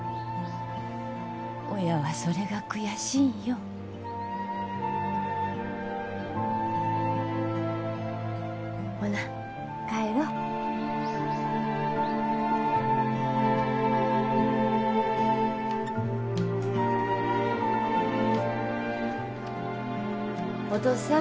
親はそれが悔しいんよほな帰ろ・お父さん